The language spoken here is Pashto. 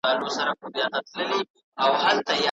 زما او ستا په يارانې